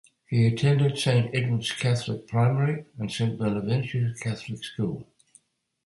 He attended Saint Edward's Catholic Primary and Saint Bonaventure's Catholic School.